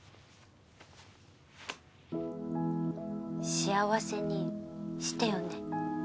幸せにしてよね。